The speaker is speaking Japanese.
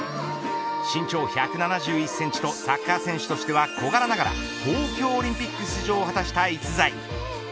身長１７１センチとサッカー選手としては小柄ながら東京オリンピック出場を果たした逸材。